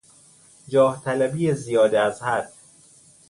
جاهطلبی زیاده از حد